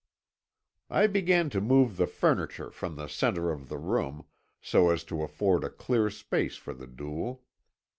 "I began to move the furniture from the centre of the room, so as to afford a clear space for the duel.